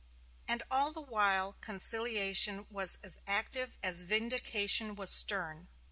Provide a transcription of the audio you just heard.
And all the while conciliation was as active as vindication was stern.